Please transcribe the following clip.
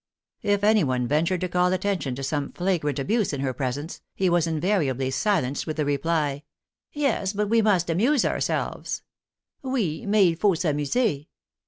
If anyone ventured to call attention to some flagrant abuse in her presence, he was invariably silenced with the reply, " Yes, but we must amuse ourselves "(" Oui, mais il faut s'amuser").